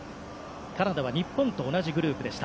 カナダは日本と同じグループでした。